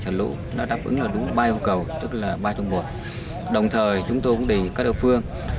trả lũ đáp ứng đúng ba vô cầu tức là ba trong một đồng thời chúng tôi cũng đề nghị các địa phương